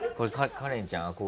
カレンちゃんはね